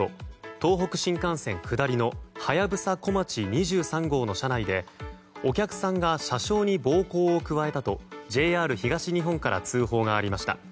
東北新幹線下りの「はやぶさ・こまち２３号」の車内でお客さんが車掌に暴行を加えたとＪＲ東日本から通報がありました。